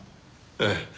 ええ。